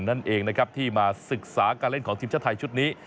นั่นเองนะครับที่มาศึกษาการเล่นของทีมชาติไทยชุดนี้